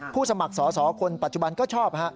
สมัครสอสอคนปัจจุบันก็ชอบ